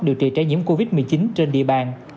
điều trị trái nhiễm covid một mươi chín trên địa bàn